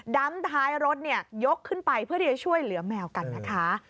ท้ายรถยกขึ้นไปเพื่อที่จะช่วยเหลือแมวกันนะคะ